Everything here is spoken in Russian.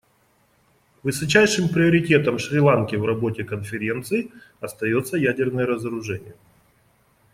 Высочайшим приоритетом Шри-Ланки в работе Конференции остается ядерное разоружение.